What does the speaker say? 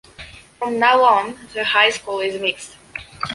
From now on the high school is mixed.